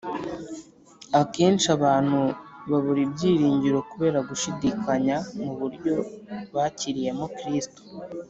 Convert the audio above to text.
Akenshi abantu babura ibyiringiro kubera gushyidikanya ku buryo bakiriyemo Kristo.